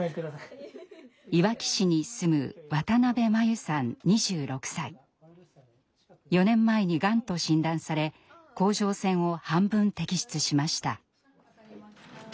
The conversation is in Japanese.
いわき市に住む４年前にがんと診断され甲状腺を半分摘出しました。